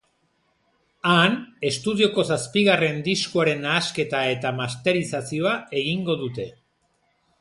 Han, estudioko zazpigarren diskoaren nahasketa eta masterizazioa egingo dute.